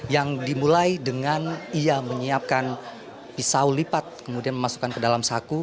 yang dimulai dengan ia menyiapkan pisau lipat kemudian memasukkan ke dalam saku